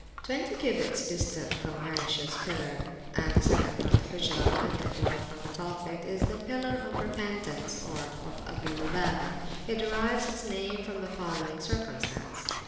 Twenty cubits distant from Ayishah's Pillar, and the [p.336] second from the Hujrah, and the fourth from the Pulpit, is the Pillar of Repentance, or of Abu Lubabah. It derives its name from the following circumstance.